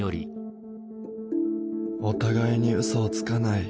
「お互いに嘘をつかない」。